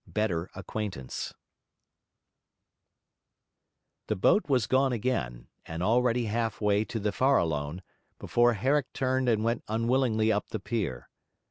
BETTER ACQUAINTANCE The boat was gone again, and already half way to the Farallone, before Herrick turned and went unwillingly up the pier.